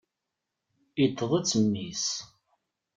Iṭṭeḍ-itt mmi-s.